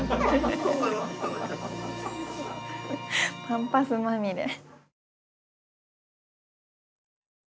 パンパスまみれ。